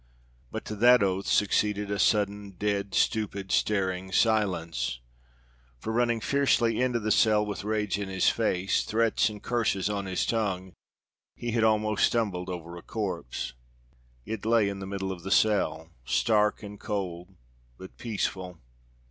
But to that oath succeeded a sudden dead stupid staring silence; for running fiercely into the cell with rage in his face, threats and curses on his tongue, he had almost stumbled over a corpse. It lay in the middle of the cell stark and cold, but peaceful.